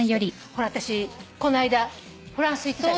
ほら私この間フランス行ってた。